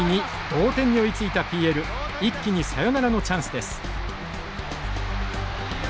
同点に追いついたＰＬ一気にサヨナラのチャンスです。